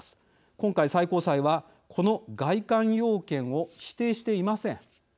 今回、最高裁はこの外観要件を否定していません。